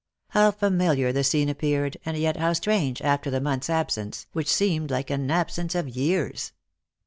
How familiar the scene appeared, and yet how strange, after the month's absence, which seemed like an absence of years!